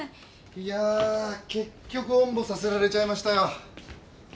いやあ結局おんぶさせられちゃいましたよ。